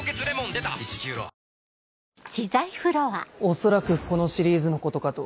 恐らくこのシリーズのことかと。